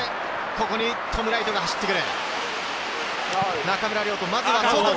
ここにトム・ライトが走っている。